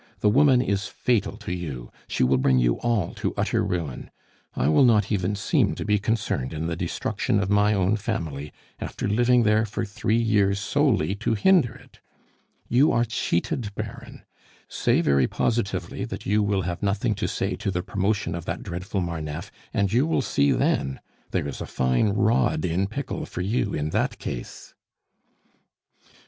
The woman is fatal to you; she will bring you all to utter ruin. I will not even seem to be concerned in the destruction of my own family, after living there for three years solely to hinder it. "You are cheated, Baron; say very positively that you will have nothing to say to the promotion of that dreadful Marneffe, and you will see then! There is a fine rod in pickle for you in that case."